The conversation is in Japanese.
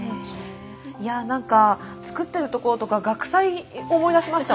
いや何か作ってるところとか学祭思い出しましたもん何か。